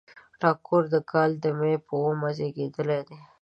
ټاګور د کال د مۍ په اوومه زېږېدلی دی.